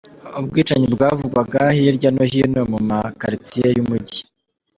Ubwicanyi bwavugwaga hirya no hino mu maquartiers y’umujyi.